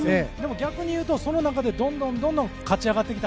逆に言うと、その中でどんどん勝ち上がってきた。